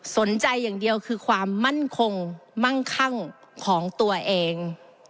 สนใจอย่างเดียวคือความมั่นคงมั่งคั่งของตัวเอง